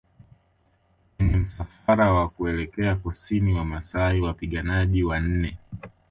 Kwenye msafara wa kuelekea Kusini Wamasai Wapiganaji wanne